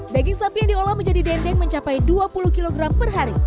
daging sapi yang diolah menjadi dendeng mencapai dua puluh kg per hari